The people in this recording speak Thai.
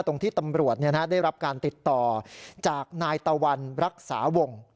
ตำรวจที่ตำรวจได้รับการติดต่อจากนายตะวันรักษาวง